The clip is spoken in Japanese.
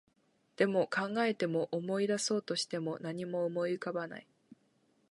でも、考えても、思い出そうとしても、何も思い浮かばない